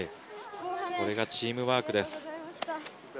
これがチームワークです。